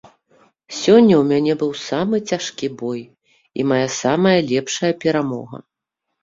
Сёння ў мяне быў самы цяжкі бой і мая самая лепшая перамога!